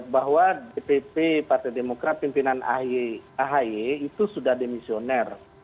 bahwa dpp partai demokrat pimpinan ahy itu sudah demisioner